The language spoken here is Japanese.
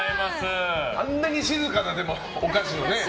あんなに静かなお菓子の。